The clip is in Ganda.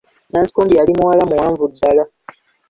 Nansikombi yali muwala muwaanvu ddala.